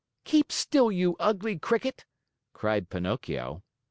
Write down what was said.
"Keep still, you ugly Cricket!" cried Pinocchio.